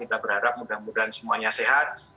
kita berharap mudah mudahan semuanya sehat